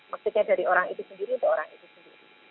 maksudnya dari orang itu sendiri untuk orang itu sendiri